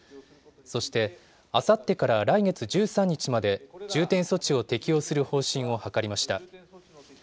そしてあさってから来月１３日まで重点措置を適用する方針を諮りました。